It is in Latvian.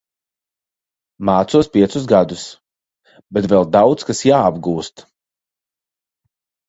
Mācos piecus gadus, bet vēl daudz kas jāapgūst.